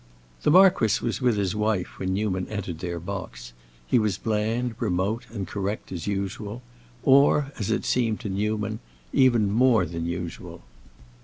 The marquis was with his wife when Newman entered their box; he was bland, remote, and correct as usual; or, as it seemed to Newman, even more than usual.